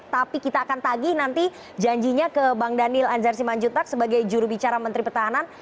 tapi kita akan tagih nanti janjinya ke bang daniel anzar simanjuntak sebagai jurubicara menteri pertahanan